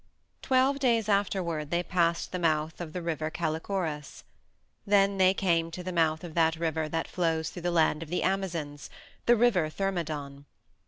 Twelve days afterward they passed the mouth of the River Callichorus; then they came to the mouth of that river that flows through the land of the Amazons, the River Thermodon.